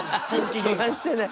飛ばしてない。